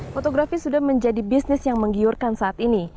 fotografi sudah menjadi bisnis yang menggiurkan saat ini